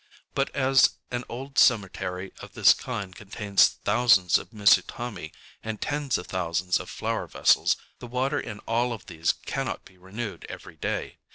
But as an old cemetery of this kind contains thousands of mizutam├®, and tens of thousands of flower vessels the water in all of these cannot be renewed every day.